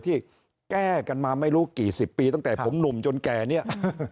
ที่แก้กันมาไม่รู้กี่สิบปีตั้งแต่ผมหนุ่มจนแก่เนี่ย